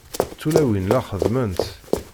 Tulawin la xeddment.